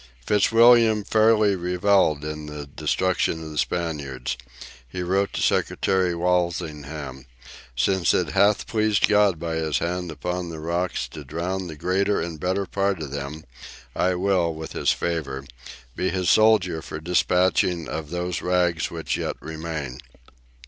Fitzwilliam fairly revelled in the destruction of the Spaniards. He wrote to Secretary Walsingham: "Since it hath pleased God by His hand upon the rocks to drown the greater and better sort of them, I will, with His favour, be His soldier for the despatching of those rags which yet remain."